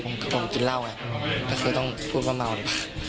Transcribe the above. ผมกินเหร่าจะพูดว่าเมาเลย